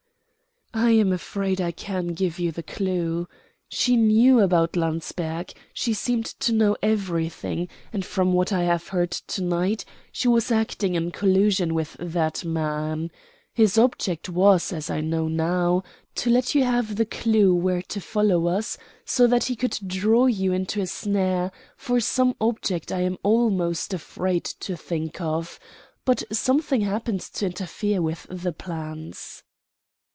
"I am afraid I can give you the clew. She knew about Landsberg she seemed to know everything; and from what I have heard to night, she was acting in collusion with that man. His object was, as I now know, to let you have the clew where to follow us, so that he could draw you into a snare, for some object I am almost afraid to think of. But something happened to interfere with the plans."